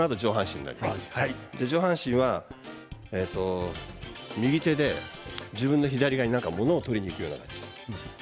上半身は右手で自分の左側に何かものを取りにいくような感じ。